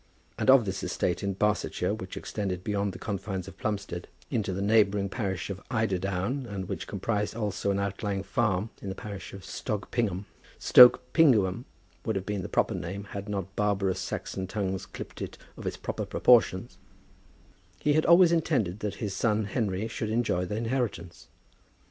And of this estate in Barsetshire, which extended beyond the confines of Plumstead into the neighbouring parish of Eiderdown, and which comprised also an outlying farm in the parish of Stogpingum, Stoke Pinguium would have been the proper name had not barbarous Saxon tongues clipped it of its proper proportions, he had always intended that his son Henry should enjoy the inheritance.